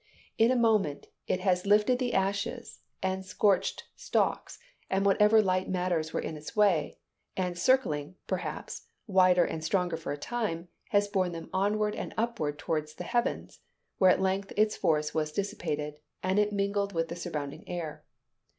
In a moment it has lifted the ashes and scorched [Illustration: WHIRLWIND FROM BURNT PRAIRIE.] stalks, and whatever light matters were in its way, and circling, perhaps, wider and stronger for a time, has borne them onward and upward toward the heavens, where at length its force was dissipated, and it mingled with the surrounding air.